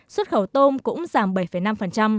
xuất khẩu tôm cũng giảm bảy năm